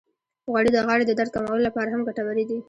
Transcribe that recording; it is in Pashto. غوړې د غاړې د درد کمولو لپاره هم ګټورې دي.